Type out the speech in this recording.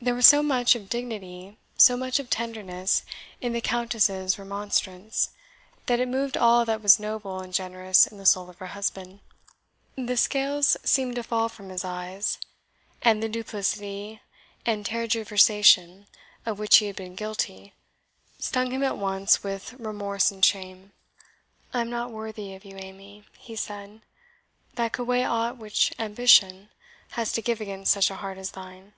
There was so much of dignity, so much of tenderness, in the Countess's remonstrance, that it moved all that was noble and generous in the soul of her husband. The scales seemed to fall from his eyes, and the duplicity and tergiversation of which he had been guilty stung him at once with remorse and shame. "I am not worthy of you, Amy," he said, "that could weigh aught which ambition has to give against such a heart as thine.